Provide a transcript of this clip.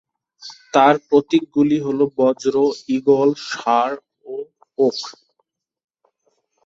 তাঁর প্রতীকগুলি হল বজ্র, ঈগল, ষাঁড় ও ওক।